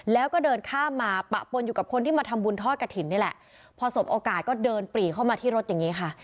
แล้วก็เดินข้ามมาปะปนอยู่กับคนที่มาทำบุญทอดกระถิ่นนี่แหละพอสมโอกาสก็เดินปรีเข้ามาที่รถอย่างนี้ค่ะ